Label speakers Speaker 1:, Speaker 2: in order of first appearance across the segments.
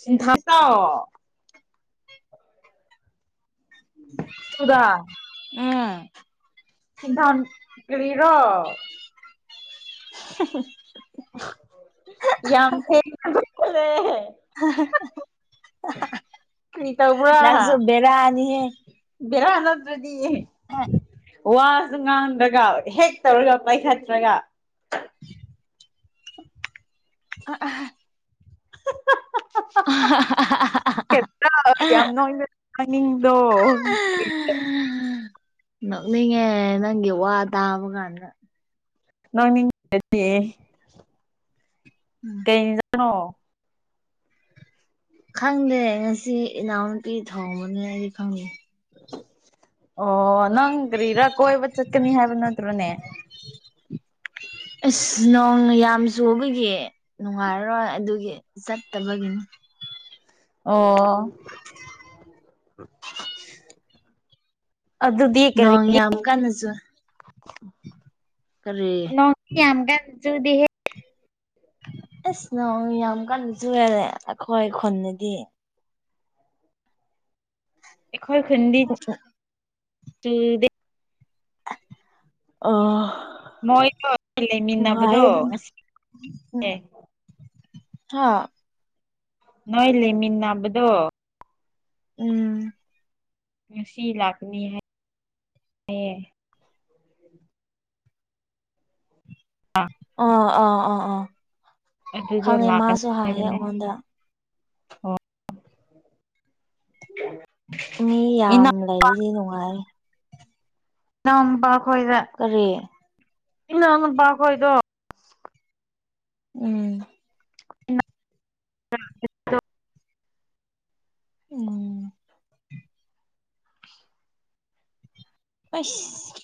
Speaker 1: ꯁꯤꯟꯊꯥꯡꯆꯎ ꯆꯨꯗꯥ
Speaker 2: ꯎꯝ
Speaker 1: ꯁꯤꯟꯊꯝ ꯀꯔꯤꯔꯣ
Speaker 2: [unintelligible]
Speaker 1: [unintelligible] ꯌꯝ ꯊꯦꯡꯅ [unintelligible] ꯔꯦ [unintelligible]
Speaker 2: [unintelligible] ꯅꯪꯖꯨ ꯕꯦꯔꯅꯤꯍꯦ
Speaker 1: ꯕꯦꯔꯥ ꯅꯠꯇ꯭ꯔꯗꯤ ꯑꯦ ꯋꯥꯁꯨ ꯉꯥꯡꯗ꯭ꯔꯒ ꯍꯦꯛ ꯇꯧꯔꯒ ꯄꯥꯏꯈꯠꯇ꯭ꯔꯒ
Speaker 2: [unintelligible] [unintelligible]
Speaker 1: [unintelligible] ꯌꯝ ꯅꯣꯛꯅꯤꯡ ꯍꯥꯏꯅꯤꯡꯗꯣ
Speaker 2: ꯅꯣꯛꯅꯤꯡꯉꯦ ꯑꯦ ꯅꯪꯒꯤ ꯋꯥ ꯇꯥꯕ ꯀꯥꯟꯗ
Speaker 1: ꯅꯣꯛꯅꯤꯡ [unintelligible]
Speaker 2: ꯎꯝ
Speaker 1: ꯀꯩ ꯍꯦꯟꯖꯥꯡ ꯅꯣ?
Speaker 2: ꯈꯪꯗꯦ ꯉꯁꯤ ꯏꯅꯥꯎꯅꯨꯄꯤ ꯊꯣꯡꯕꯅꯦ ꯑꯩꯗꯤ ꯈꯪ
Speaker 1: ꯑꯣ ꯅꯪ ꯀꯔꯤꯔꯥ ꯀꯣꯏꯕ ꯆꯠꯀꯅꯤ ꯍꯥꯏꯕ ꯅꯠꯇ꯭ꯔꯣꯅꯦ?
Speaker 2: ꯑꯩꯁ ꯅꯣꯡꯅ ꯌꯥꯝ ꯆꯨꯕꯒꯤ ꯅꯨꯡꯉꯥꯏꯔꯔꯣꯏ ꯑꯗꯨꯒꯤ ꯆꯠꯇꯕꯒꯤꯅꯤ
Speaker 1: ꯑꯣ ꯑꯗꯨꯗꯤ ꯀꯔꯤ
Speaker 2: ꯅꯣꯡ ꯌꯥꯝ ꯀꯟꯅ ꯆꯨ ꯀꯔꯤ
Speaker 1: ꯅꯣꯡ ꯗꯤ ꯌꯥꯝꯀꯟ ꯆꯨꯗꯤꯍꯦ
Speaker 2: ꯑꯁ ꯅꯣꯡ ꯌꯥꯝ ꯀꯟꯅ ꯆꯨꯨꯋꯦꯅꯦ ꯑꯈꯣꯏ ꯈꯨꯟꯗꯗꯤ
Speaker 1: ꯑꯩꯈꯣꯏ ꯈꯨꯟꯗꯤ ꯆꯨꯗꯦ
Speaker 2: ꯑꯥ ꯑꯣ
Speaker 1: ꯃꯣꯏꯗꯣ
Speaker 2: ꯅꯨꯡꯉꯥꯏꯌꯦ
Speaker 1: ꯂꯩꯃꯤꯟꯅꯕꯗꯣ [unintelligible]
Speaker 2: ꯍꯥꯥ
Speaker 1: ꯅꯣꯏ ꯂꯩꯃꯤꯟꯅꯕꯗꯣ
Speaker 2: ꯎꯝ
Speaker 1: ꯉꯁꯤ ꯂꯥꯛꯀꯥꯅꯤ ꯍꯥꯏ ꯍꯥꯏꯌꯦ ꯑꯥ
Speaker 2: ꯑꯣ ꯑꯥ ꯑꯥ ꯑꯥ
Speaker 1: ꯑꯗꯨꯗꯣ
Speaker 2: ꯈꯪꯉꯦ
Speaker 1: ꯂꯥꯛꯀꯅꯤ
Speaker 2: ꯃꯥꯁꯨ ꯍꯥꯏꯌꯦ
Speaker 1: ꯍꯥꯏꯕꯅꯦ
Speaker 2: ꯑꯩꯉꯣꯟꯗ
Speaker 1: ꯑꯣ
Speaker 2: ꯃꯤ ꯌꯥꯝ
Speaker 1: ꯏꯅꯥꯎ
Speaker 2: ꯂꯩꯔꯤꯗꯤ ꯅꯨꯡꯉꯥꯏ
Speaker 1: ꯏꯅꯥꯎꯝꯄ ꯈꯣꯏꯗꯥ
Speaker 2: ꯀꯔꯤ
Speaker 1: ꯏꯅꯥꯎ ꯅꯨꯄꯥ ꯈꯣꯏꯗꯣ
Speaker 2: ꯎꯝ
Speaker 1: [unintelligible]
Speaker 2: ꯎꯝ ꯎꯏꯁ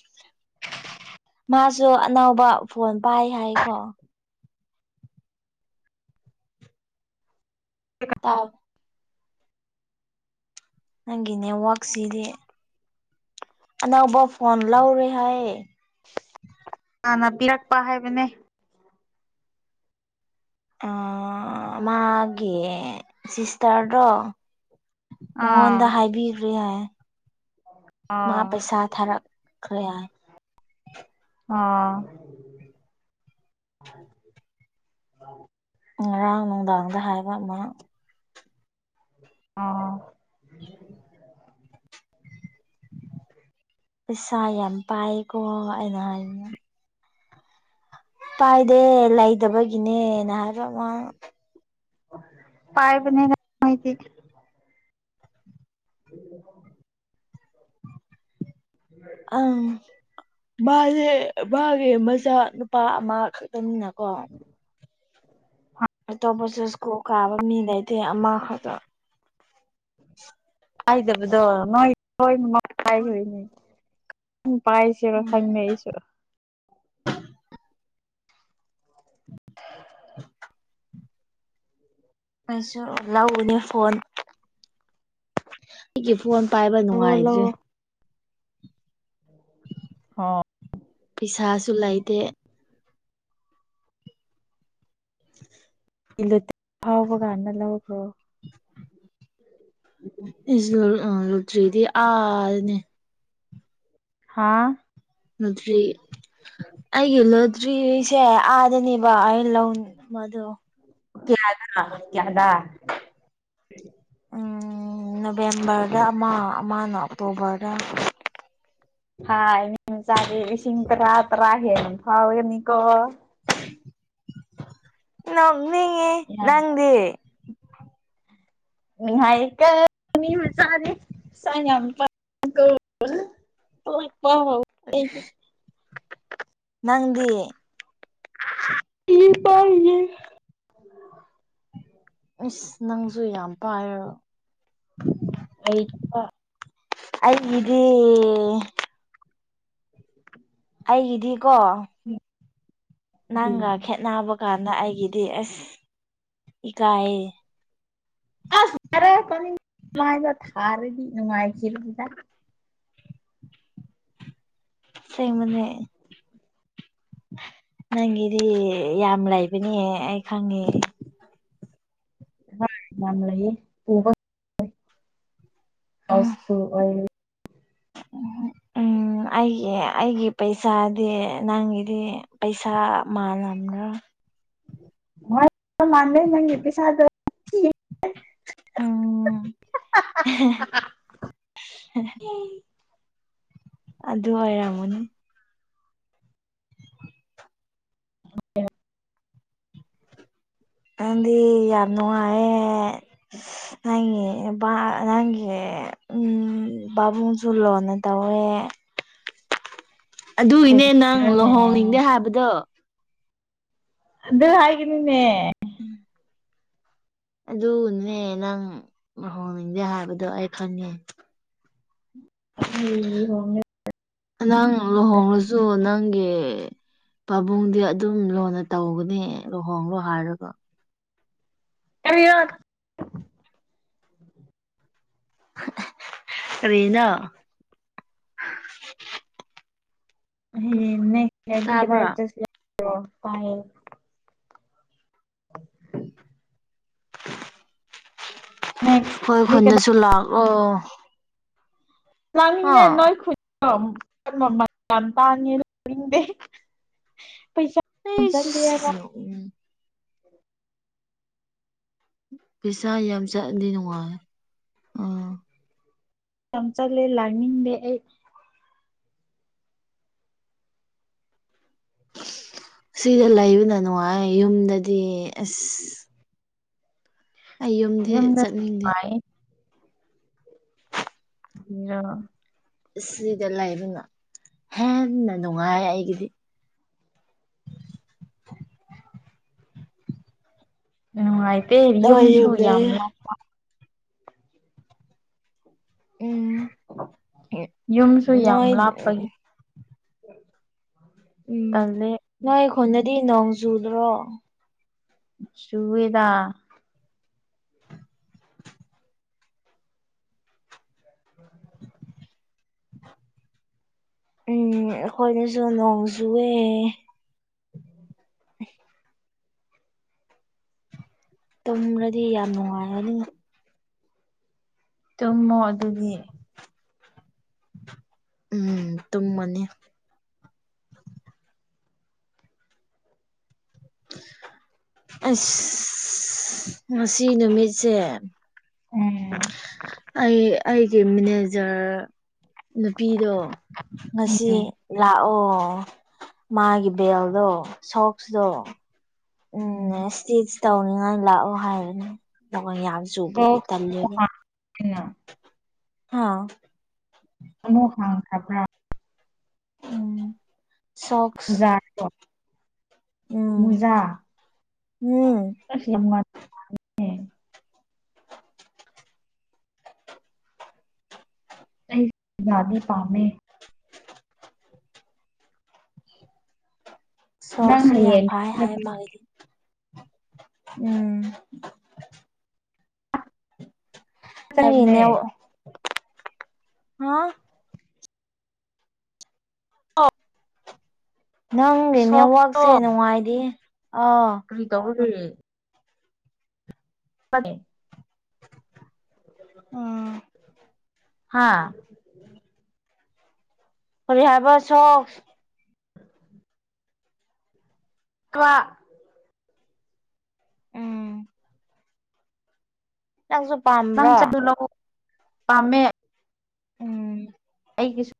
Speaker 2: ꯃꯥꯁꯨ ꯑꯅꯧꯕ ꯐꯣꯟ ꯄꯥꯏ ꯍꯥꯏꯀꯣ ꯇꯥꯞ ꯅꯪꯒꯤ ꯅꯦꯠꯋꯥꯛꯁꯤꯗꯤ ꯑꯅꯧꯕ ꯐꯣꯟ ꯂꯧꯔꯦ ꯍꯥꯏꯌꯦ
Speaker 1: ꯍꯥꯟꯅ ꯄꯤꯔꯛꯄ ꯍꯥꯏꯕꯅꯦ
Speaker 2: ꯑꯥ ꯃꯥꯒꯤ ꯁꯤꯁꯇꯔꯗꯣ ꯃꯉꯣꯟꯗ
Speaker 1: ꯑꯥ
Speaker 2: ꯍꯥꯏꯕꯤꯒ꯭ꯔꯦ ꯍꯥꯏ ꯃꯥ
Speaker 1: ꯑꯥ
Speaker 2: ꯄꯩꯁꯥ ꯊꯥꯔꯛ ꯈ꯭ꯔꯦ ꯍꯥꯏ
Speaker 1: ꯑꯥ
Speaker 2: ꯉꯔꯥꯡ ꯅꯨꯡꯗꯥꯡꯗ ꯍꯥꯏꯕ ꯃꯥ
Speaker 1: ꯑꯥ
Speaker 2: ꯄꯩꯁꯥ ꯌꯥꯝ ꯄꯥꯏꯀꯣ ꯑꯩꯅ ꯍꯥꯏꯕꯅꯦ ꯄꯥꯏꯗꯦ ꯂꯩꯇꯕꯒꯤꯅꯦꯅ ꯍꯥꯏꯕ ꯃꯥꯅ
Speaker 1: ꯄꯥꯏꯕꯅꯦꯗ ꯃꯣꯏꯗꯤ [unintelligible] [unintelligible]
Speaker 2: ꯑꯥꯝ ꯃꯥꯖꯦ ꯃꯥꯒꯤ ꯃꯆꯥ ꯅꯨꯄꯥ ꯑꯃ ꯈꯛꯇꯅꯤꯅꯀꯣ
Speaker 1: ꯍꯣꯏ
Speaker 2: ꯑꯇꯣꯞꯄꯁꯨ ꯁꯀꯨꯜ ꯀꯥꯕ ꯃꯤ ꯂꯩꯇꯦ ꯑꯃꯈꯛꯇꯥ
Speaker 1: ꯄꯥꯏꯗꯕꯗꯣ ꯃꯥꯒꯤ [unintelligible] ꯀꯥꯏꯈꯤꯕꯩꯅꯦ [unintelligible] ꯄꯥꯏꯁꯤꯔꯥ
Speaker 2: ꯎꯝ
Speaker 1: ꯈꯪꯗꯦ ꯑꯩꯁꯨ
Speaker 2: [inaudible] ꯑꯩꯁꯨ ꯂꯧꯒꯅꯤ ꯐꯣꯟ ꯑꯩꯒꯤ ꯐꯣꯟ ꯄꯥꯏꯕ
Speaker 1: ꯂꯧꯑꯣ
Speaker 2: ꯅꯨꯡꯉꯥꯏꯗ꯭ꯔꯦ
Speaker 1: ꯂꯧꯑꯣ ꯍꯣ
Speaker 2: ꯄꯩꯁꯥꯁꯨ ꯂꯩꯇꯦ
Speaker 1: ꯏꯂꯦꯇꯤꯛ ꯐꯥꯎꯕ ꯀꯥꯟꯗ ꯂꯧꯈ꯭ꯔꯣ
Speaker 2: [unintelligible] ꯂꯣꯇ꯭ꯔꯤꯗꯤ ꯑꯥꯔꯅꯦ
Speaker 1: ꯍꯥꯥ
Speaker 2: ꯂꯣꯇ꯭ꯔꯤ ꯑꯩꯒꯤ ꯂꯣꯇ꯭ꯔꯤ ꯁꯦ ꯑꯥꯗꯅꯦꯕ ꯑꯩꯅ ꯂꯧ ꯕꯗꯣ
Speaker 1: ꯇꯤꯌꯥꯗꯅ ꯇꯤꯌꯥꯗ
Speaker 2: ꯎꯝ ꯅꯣꯕꯦꯝꯕꯔꯗ ꯑꯃ ꯑꯃꯅ ꯑꯣꯛꯇꯣꯕꯔꯗ
Speaker 1: ꯍꯥꯏ ꯃꯤ ꯆꯥꯗꯤ ꯂꯤꯁꯤꯡ ꯇꯔꯥ ꯇꯔꯥ ꯍꯦꯟꯅ ꯐꯥꯎꯔꯅꯤ ꯀꯣ
Speaker 2: ꯅꯣꯛꯅꯤꯡꯉꯤ
Speaker 1: ꯌꯥꯝ
Speaker 2: ꯅꯪꯗꯤ
Speaker 1: ꯅꯨꯡꯉꯥꯏꯀꯣ ꯃꯤ ꯃꯆꯥꯗꯤ [unintelligible] ꯀꯣꯏꯄꯥꯎ
Speaker 2: [unintelligible] ꯅꯪꯗꯤ ꯏꯁ ꯅꯪꯖꯨ ꯌꯥꯝ ꯄꯥꯏꯌꯥꯔꯣ
Speaker 1: ꯑꯩ [unintelligible]
Speaker 2: ꯑꯩ ꯒꯤꯗꯤ ꯑꯩꯒꯤꯗꯤꯀꯣ
Speaker 1: ꯎꯝ
Speaker 2: ꯅꯪꯒ ꯈꯦꯠꯅꯕ ꯀꯥꯟꯗ ꯑꯩꯒꯤꯗꯤ ꯑꯁ ꯏꯀꯥꯏꯌꯦ
Speaker 1: [unintelligible] ꯊꯥꯔꯗꯤ ꯅꯨꯡꯉꯥꯏ ꯈꯤꯔꯥꯏꯗ
Speaker 2: ꯑꯁꯦꯡꯕꯅꯤ ꯅꯪꯒꯤꯗꯤ ꯌꯥꯝ ꯂꯩꯕꯅꯦ ꯑꯩ ꯈꯪꯉꯦ
Speaker 1: ꯍꯣꯏ ꯌꯥꯝ ꯂꯩꯌꯦ [unintelligible] [inaudible]
Speaker 2: ꯎꯝ ꯑꯩꯒꯤ ꯑꯩꯒꯤ ꯄꯩꯁꯥꯗꯤ ꯅꯪꯒꯤꯗꯤ ꯄꯩꯁꯥ ꯃꯥꯟꯅꯕ꯭ꯔꯥ
Speaker 1: ꯋꯥꯠꯄ ꯃꯥꯥꯟꯗꯦ ꯅꯪꯒꯤ ꯄꯩꯁꯥꯗꯣ
Speaker 2: ꯎꯝ ꯍꯦꯍꯦ ꯑꯗꯨ ꯑꯣꯏꯔꯝꯃꯣꯅꯤ
Speaker 1: [unintelligible]
Speaker 2: ꯅꯪꯗꯤ ꯌꯥꯝ ꯅꯨꯡꯉꯥꯏꯌꯦ ꯅꯪꯒꯤ ꯕꯥ ꯅꯪꯒꯤ ꯎꯝ ꯕꯥꯕꯨꯡ ꯖꯨ ꯂꯨꯅꯥ ꯇꯧꯋꯦ ꯑꯗꯨꯏꯒꯤꯅꯦ ꯅꯪ
Speaker 1: ꯀꯔꯤꯔꯅꯦ
Speaker 2: ꯂꯨꯍꯣꯡꯅꯤꯡꯗꯦ ꯍꯥꯏꯕꯗꯣ
Speaker 1: ꯑꯗꯨ ꯍꯥꯏꯒꯅꯨꯅꯦ
Speaker 2: ꯎꯝ ꯑꯗꯨꯅꯅꯦ ꯅꯪ ꯂꯨꯍꯣꯡꯅꯤꯡꯗꯦ ꯍꯥꯏꯕꯗꯣ ꯑꯩ ꯈꯪꯉꯦ
Speaker 1: [unintelligible]
Speaker 2: ꯅꯪ ꯂꯨꯍꯣꯡꯉꯥꯁꯨ ꯅꯪꯒꯤ ꯄꯥꯕꯨꯡꯗꯤ ꯑꯗꯨꯝ ꯂꯨꯅ ꯇꯧꯒꯅꯤ ꯂꯨꯍꯣꯡꯉꯣ ꯍꯥꯏꯔꯒ
Speaker 1: ꯀꯔꯤꯔꯥ
Speaker 2: ꯀꯔꯤꯅꯣ ꯇꯥꯕ꯭ꯔꯥ
Speaker 1: [unintelligible]
Speaker 2: [unintelligible]
Speaker 1: [inaudible]
Speaker 2: ꯑꯩꯈꯣꯏ
Speaker 1: ꯀꯩ
Speaker 2: ꯈꯨꯟꯗꯁꯨ ꯂꯥꯛꯑꯣ
Speaker 1: ꯂꯥꯛꯅꯤꯅꯦ
Speaker 2: ꯑ
Speaker 1: ꯅꯣꯏ ꯈꯨꯟ [unintelligible] ꯅꯤꯡꯗꯦ ꯄꯩꯁꯥ ꯌꯥꯝ
Speaker 2: ꯑꯩꯁ
Speaker 1: ꯆꯠꯂꯦꯕ
Speaker 2: ꯅꯣꯛꯅꯤꯡ ꯄꯤꯁꯥ ꯌꯥꯝ ꯆꯠꯑꯗꯤ ꯅꯨꯡꯉꯥꯏꯌꯦ ꯑꯥ꯫
Speaker 1: ꯌꯥꯝ ꯆꯠꯂꯦ ꯂꯥꯛꯅꯤꯡꯗꯦ ꯑꯩ꯫
Speaker 2: ꯁꯤꯗ ꯂꯩꯕꯅ ꯅꯨꯡꯉꯥꯏꯌꯦ ꯌꯨꯝꯗꯗꯤ ꯑꯁ꯫ ꯑꯩ ꯌꯨꯝꯗꯤ
Speaker 1: ꯌꯨꯝꯗ
Speaker 2: ꯆꯠꯅꯤꯡꯗꯦ꯫
Speaker 1: ꯅꯨꯡꯉꯥꯏ ꯅꯣ
Speaker 2: ꯁꯤꯗ ꯂꯩꯕꯅ ꯍꯦꯟꯅ ꯅꯨꯡꯉꯥꯏꯌꯦ ꯑꯩꯒꯤꯗꯤ꯫
Speaker 1: ꯅꯨꯡꯉꯥꯏꯇꯦ
Speaker 2: ꯅꯣꯏ
Speaker 1: ꯌꯨꯝꯁꯨ
Speaker 2: ꯌꯨꯝꯗ
Speaker 1: ꯌꯥꯝ ꯂꯥꯞ
Speaker 2: ꯎꯝ ꯎꯞ
Speaker 1: ꯌꯨꯝꯁꯨ ꯌꯥꯝ
Speaker 2: ꯅꯣꯏ ꯎꯝ
Speaker 1: ꯂꯥꯞꯄꯒꯤ
Speaker 2: ꯎꯝ
Speaker 1: ꯇꯜꯂꯦ
Speaker 2: ꯅꯣꯏ ꯈꯨꯟꯗꯗꯤ ꯅꯣꯡ ꯆꯨꯗ꯭ꯔꯣ
Speaker 1: ꯆꯨꯋꯦꯗꯥ
Speaker 2: [inaudible] ꯎꯝ ꯑꯩꯈꯣꯏꯒꯤꯁꯨ ꯅꯣꯡ ꯆꯨꯋꯦ꯫
Speaker 1: [inaudible]
Speaker 2: [unintelligible] ꯇꯨꯝꯔꯗꯤ ꯌꯥꯝ ꯅꯨꯡꯉꯥꯏꯔꯅꯤ꯫
Speaker 1: ꯇꯨꯝꯃꯣ ꯑꯗꯨꯗꯤ꯫
Speaker 2: ꯎꯝ ꯇꯨꯝꯃꯅꯤ꯫ ꯑꯁ ꯉꯁꯤ ꯅꯨꯃꯤꯠꯁꯦ꯫
Speaker 1: ꯎꯝ
Speaker 2: ꯑꯩ ꯑꯩꯒꯤ ꯃꯦꯅꯦꯖꯔ ꯅꯨꯄꯤꯗꯣ
Speaker 1: ꯎꯝ
Speaker 2: ꯉꯁꯤ꯫ ꯂꯥꯛꯑꯣ ꯃꯥꯒꯤ ꯕꯦꯜꯗꯣ ꯁꯣꯛꯁꯗꯣ꯫ ꯎꯝ ꯁꯇꯤꯆ ꯇꯧꯅꯤꯡꯉꯥꯏ ꯂꯥꯛꯑꯣ ꯍꯥꯏꯕꯅꯤ ꯅꯣꯡ ꯌꯥꯝ ꯆꯨꯕꯒꯤ
Speaker 1: ꯁꯣꯛꯁ ꯑꯃꯨꯛ
Speaker 2: ꯇꯜꯂꯦꯕ
Speaker 1: ꯍꯥꯡꯉꯦꯅ
Speaker 2: ꯍꯥ
Speaker 1: ꯑꯃꯨꯛ ꯍꯥꯡꯈ꯭ꯔꯕ꯭ꯔꯥ
Speaker 2: ꯎꯝ ꯁꯣꯛꯁ
Speaker 1: ꯖꯥꯔꯤꯕꯔꯣ [unintelligible]
Speaker 2: ꯎꯝ
Speaker 1: ꯃꯨꯖꯥ
Speaker 2: ꯎꯝ
Speaker 1: ꯑꯁ ꯌꯥꯝ ꯉꯥꯟ ꯑꯩ ꯌꯥꯗꯤ ꯄꯥꯝꯃꯦ ꯅꯪ
Speaker 2: ꯁꯣꯛꯁꯨ ꯌꯥꯝ
Speaker 1: ꯍꯌꯦꯡ
Speaker 2: ꯐꯥꯏ ꯍꯥꯏ ꯃꯥꯒꯤꯗꯤ ꯎꯝ ꯅꯪꯒꯤ ꯅꯦꯠꯋ
Speaker 1: ꯆꯕꯅꯦ
Speaker 2: ꯍꯥ
Speaker 1: ꯑꯣ
Speaker 2: ꯅꯪꯒꯤ ꯅꯦꯠꯋꯥꯛꯁꯦ ꯅꯨꯡꯉꯥꯏꯗꯤꯌꯦ ꯑꯥ
Speaker 1: ꯀꯔꯤ ꯇꯧꯕꯒꯤ [unintelligible]
Speaker 2: ꯎꯝ,
Speaker 1: ꯍꯥꯥ
Speaker 2: ꯀꯔꯤ ꯍꯥꯏꯕ ꯁꯣꯛꯁ
Speaker 1: [inaudible] ꯀꯂ꯭ꯥ
Speaker 2: ꯎꯝ ꯅꯪꯖꯨ ꯄꯥꯝ
Speaker 1: ꯅꯪ ꯆꯗꯨ ꯂꯧ ꯄꯥꯝꯃꯦ꯫
Speaker 2: ꯎꯝ
Speaker 1: ꯑꯩꯒꯤꯁꯨ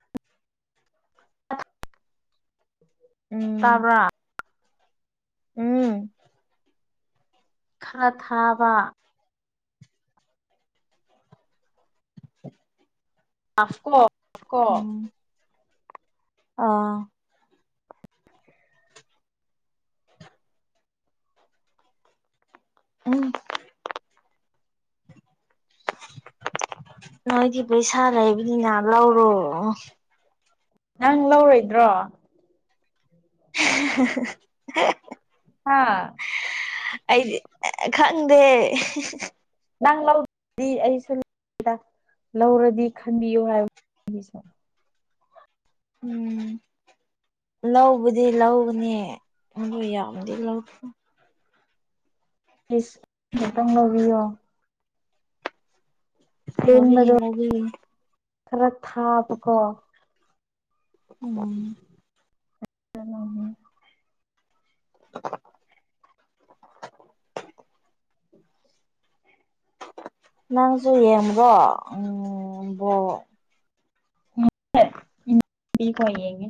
Speaker 2: ꯎꯝ
Speaker 1: ꯇꯥꯕ꯭ꯔꯥ
Speaker 2: ꯎꯝ
Speaker 1: ꯈꯔ ꯊꯥꯕ
Speaker 2: [inaudible]
Speaker 1: [unintelligible]
Speaker 2: ꯎꯝ ꯑꯥ [inaudible] ꯎꯝ ꯅꯣꯏꯗꯤ ꯄꯩꯁꯥ ꯂꯩꯕꯅꯤꯅ ꯂꯧꯔꯣ
Speaker 1: ꯅꯪ ꯂꯧꯔꯣꯏꯗ꯭ꯔꯣ
Speaker 2: [unintelligible]
Speaker 1: ꯍꯥꯥ
Speaker 2: ꯑꯩꯖꯦ ꯈꯪꯗꯦ
Speaker 1: ꯅꯪ ꯂꯧꯗ꯭ꯔꯗꯤ ꯑꯩꯁꯨ ꯂꯧꯔꯣꯏꯗ ꯂꯧꯔꯗꯤ ꯈꯟꯕꯤꯌꯨ ꯍꯥꯏꯕ ꯑꯩꯒꯤꯁꯨ
Speaker 2: ꯎꯝ ꯂꯧꯕꯗꯤ ꯂꯧꯒꯅꯤ ꯑꯗꯨ ꯌꯥꯝꯅꯗꯤ [unintelligible]
Speaker 1: ꯑꯩꯁ [unintelligible]
Speaker 2: ꯂꯧꯕꯤꯒꯦ
Speaker 1: ꯇꯦꯟꯕꯗꯣ
Speaker 2: ꯂꯧꯕꯤꯒꯅꯤ
Speaker 1: ꯈꯔ ꯊꯥꯕꯀꯣ
Speaker 2: ꯎꯝ [inaudible] ꯅꯪꯁꯨ ꯌꯦꯡꯕ꯭ꯔꯣ ꯎꯝ ꯕꯣꯜ
Speaker 1: ꯄꯤ ꯈꯔ ꯌꯦꯉꯤ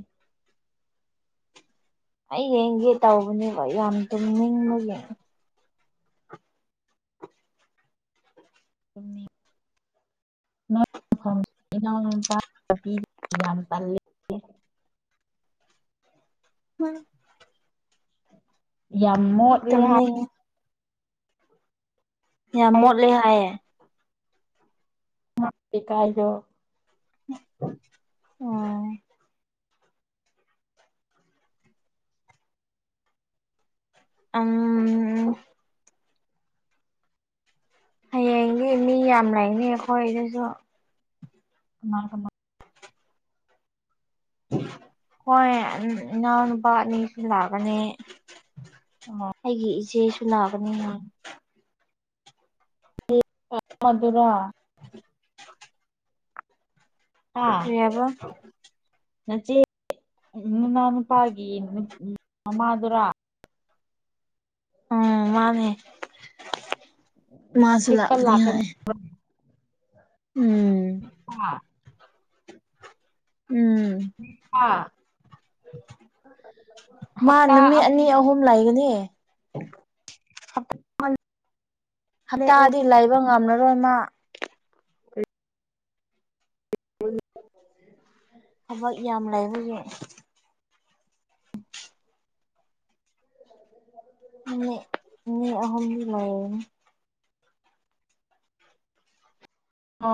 Speaker 2: ꯑꯩ ꯌꯦꯡꯒꯦ ꯇꯧꯕꯅꯦ ꯌꯥꯝ ꯇꯨꯝꯅꯤꯡꯕꯒꯤ
Speaker 1: [unintelligible] [unintelligible] ꯏꯅꯥꯎꯅꯨꯄꯥ ꯌꯥꯝ ꯇꯜꯂꯦ
Speaker 2: [inaudible]
Speaker 1: ꯌꯥꯝ ꯃꯣꯠꯂꯦ ꯍꯥꯏ
Speaker 2: ꯇꯨꯝꯅꯤꯡꯉꯦ ꯌꯥꯝ
Speaker 1: ꯍꯥꯏ
Speaker 2: ꯃꯣꯠꯂꯦ ꯍꯥꯏꯌꯦ
Speaker 1: ꯃꯣꯏ ꯂꯩꯀꯥꯏꯗꯣ
Speaker 2: ꯎꯝ ꯑꯝ ꯍꯌꯦꯡꯗꯤ ꯃꯤ ꯌꯥꯝ ꯂꯩꯅꯤ ꯑꯩꯈꯣꯏꯗꯁꯨ
Speaker 1: ꯀꯅꯥ ꯀꯅꯥ
Speaker 2: ꯈꯣꯏ ꯏꯅꯥꯎꯅꯨꯄꯥ ꯑꯅꯤꯁꯨ ꯂꯥꯛꯀꯅꯤ
Speaker 1: ꯀꯅꯥ
Speaker 2: ꯑꯩꯒꯤ ꯏꯆꯦꯁꯨ ꯂꯥꯛꯀꯅꯤ
Speaker 1: [unintelligible] ꯃꯗꯨꯨꯔꯥ ꯍꯥ
Speaker 2: ꯀꯔꯤ ꯍꯥꯏꯕ
Speaker 1: ꯅꯆꯦ ꯅꯅꯥꯎ ꯅꯨꯄꯥꯒꯤ ꯃꯃꯥꯗꯨꯔꯥ
Speaker 2: ꯎꯝ ꯃꯥꯅꯦ ꯃꯥꯁꯨ ꯂꯥꯛꯀꯅꯤ ꯍꯥꯏ ꯎꯝ
Speaker 1: ꯍꯥ
Speaker 2: ꯎꯝ
Speaker 1: ꯑꯥ
Speaker 2: ꯃꯥ
Speaker 1: ꯍꯞꯇꯥ
Speaker 2: ꯅꯨꯃꯤꯠ ꯑꯅꯤ
Speaker 1: [unintelligible]
Speaker 2: ꯑꯍꯨꯝ ꯂꯩꯒꯅꯤ
Speaker 1: ꯍꯞ
Speaker 2: ꯍꯞꯇꯥꯗꯤ ꯂꯩꯕ ꯉꯝꯂꯔꯣꯏ ꯃꯥ
Speaker 1: [unintelligible]
Speaker 2: ꯊꯕꯛ ꯌꯥꯝ ꯂꯩꯕꯒꯤ ꯍꯪꯉꯣ ꯃꯤ ꯑꯍꯨꯝꯗꯤ ꯂꯩꯅꯦ
Speaker 1: ꯑ